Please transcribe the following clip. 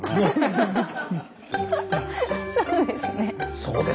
そうですね。